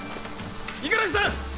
五十嵐さん！